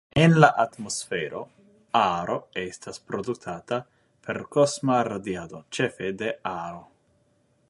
En la atmosfero, Ar estas produktata per kosma radiado, ĉefe de Ar.